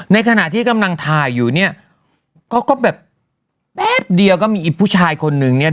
ในขณะที่กำลังถ่ายอยู่เนี่ยก็ก็แบบแป๊บเดียวก็มีอีกผู้ชายคนนึงเนี่ย